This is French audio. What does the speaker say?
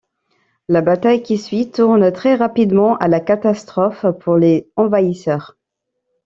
La bataille qui suit tourne très rapidement à la catastrophe pour les envahisseurs.